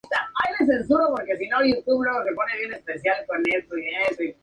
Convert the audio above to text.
Catalina, permaneció fiel a sus ideas y estuvo presente en sus luchas diarias.